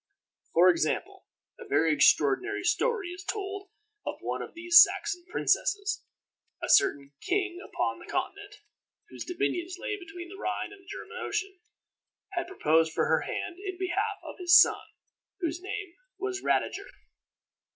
For example, a very extraordinary story is told of one of these Saxon princesses. A certain king upon the Continent, whose dominions lay between the Rhine and the German Ocean, had proposed for her hand in behalf of his son, whose name was Radiger.